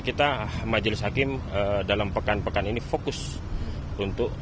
kita majelis hakim dalam pekan pekan ini fokus untuk